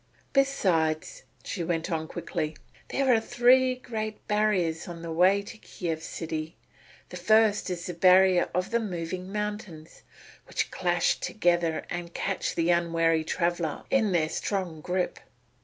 "Besides," she went on quickly, "there are three great barriers on the way to Kiev city. The first is the barrier of the moving mountains, which clash together and catch the unwary traveller in their strong grip.